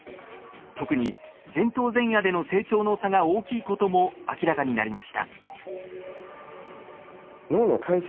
特に前頭前野での成長の差が大きいことも明らかになりました。